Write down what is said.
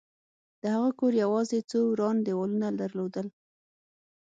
د هغه کور یوازې څو وران دېوالونه درلودل